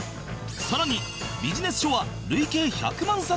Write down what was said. さらにビジネス書は累計１００万冊超え